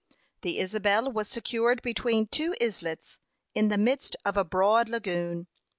The Isabel was secured between two islets, in the midst of a broad lagoon.